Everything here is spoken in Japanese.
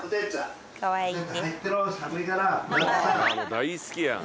大好きやん。